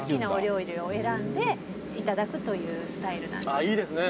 「ああいいですね。